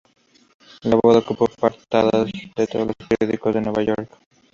La boda ocupó las portadas de todos los periódicos de Nueva York.